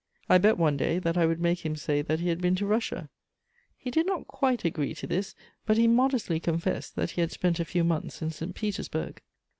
I bet one day that I would make him say that he had been to Russia: he did not quite agree to this, but he modestly confessed that he had spent a few months in St. Petersburg.